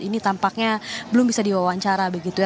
ini tampaknya belum bisa diwawancara begitu ya